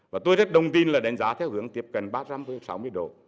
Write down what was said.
và tôi rất đồng tin là đánh giá theo hướng tiếp cận ba trăm sáu mươi độ